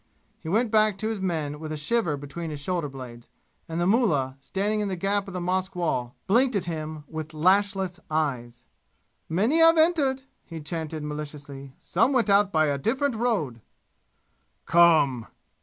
He went back to his men with a shiver between his shoulder blades, and the mullah, standing in the gap of the mosque wall, blinked at him with lashless eyes. "Many have entered," he chanted maliciously. "Some went out by a different road!" "Come!"